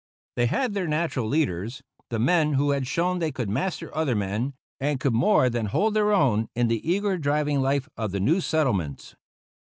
They had their natural leaders the men who had shown they could master other men, and could more than hold their own in the eager driving life of the new settlements.